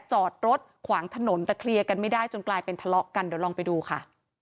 จอดรถขวางถนนแต่เคลียร์กันไม่ได้จนกลายเป็นทะเลาะกันเดี๋ยวลองไปดูค่ะ